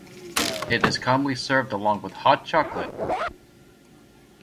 It is commonly served along with hot chocolate.